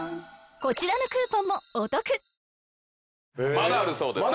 まだあるそうです。